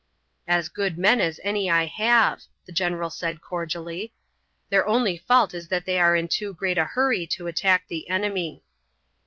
"As good men as any I have," the general said cordially. "Their only fault is that they are in too great a hurry to attack the enemy."